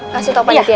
kasih tau pak jatia ya